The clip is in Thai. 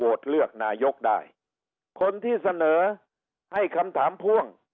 เลือกนายกได้คนที่เสนอให้คำถามพ่วง